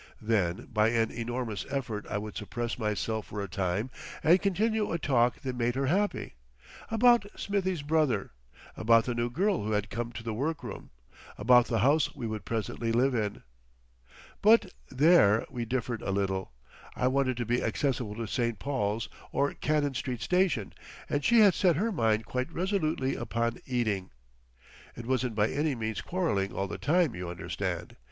Then by an enormous effort I would suppress myself for a time and continue a talk that made her happy, about Smithie's brother, about the new girl who had come to the workroom, about the house we would presently live in. But there we differed a little. I wanted to be accessible to St. Paul's or Cannon Street Station, and she had set her mind quite resolutely upon Ealing.... It wasn't by any means quarreling all the time, you understand.